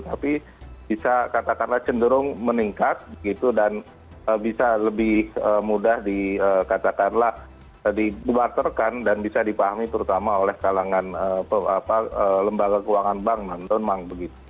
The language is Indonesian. tapi bisa katakanlah cenderung meningkat gitu dan bisa lebih mudah dikatakanlah dibuatarkan dan bisa dipahami terutama oleh kalangan lembaga keuangan bank